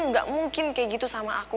nggak mungkin kayak gitu sama aku